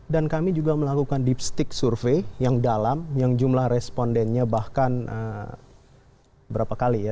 dan kami juga melakukan dipstik survei yang dalam yang jumlah respondennya bahkan berapa kali ya